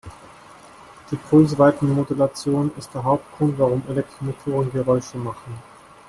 Die Pulsweitenmodulation ist der Hauptgrund, warum Elektromotoren Geräusche machen.